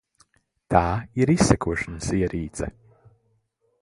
Tā ir izsekošanas ierīce.